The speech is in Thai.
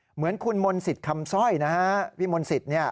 เหมือนคุณมนศิษย์คำซ่อยนะฮะพี่มนศิษย์เนี่ย